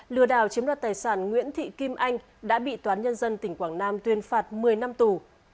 lừa đảo chiếm đoạt tài sản nguyễn thị kim anh đã bị toán nhân dân tỉnh quảng nam tuyên phạt một mươi năm tù